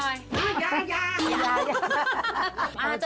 อ้าวอย่าอย่า